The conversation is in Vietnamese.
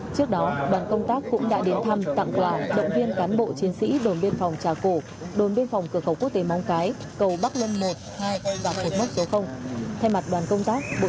trước đó đoàn công tác cũng đã đến thăm tặng quả động viên cán bộ chiến sĩ đồn biên phòng trà cổ đồn biên phòng cửa khẩu quốc tế mong cái cầu bắc lân một hai và một mất số